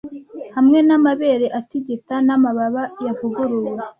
Hamwe n'amabere atigita n'amababa yavuguruwe ,